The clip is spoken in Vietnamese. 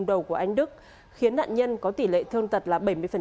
ở sẵn hùng đầu của anh đức khiến nạn nhân có tỷ lệ thương tật là bảy mươi